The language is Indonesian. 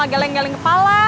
gak usah galing galing kepala